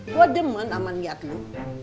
gua demen aman liat lu